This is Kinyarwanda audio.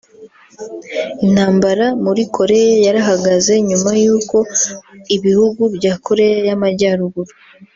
Intambara muri Korea yarahagaze nyuma y’uko ibihugu bya Korea y’amajyaruguru